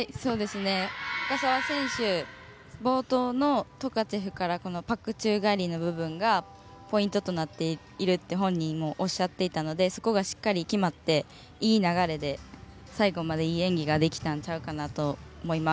深沢選手は冒頭のトカチェフからパク宙返りの部分がポイントとなっていると本人もおっしゃっていたのでそこがしっかり決まっていい流れで最後までいい演技ができたんちゃうかなと思います。